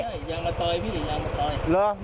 ยางมะตอยพี่ยางมะตอย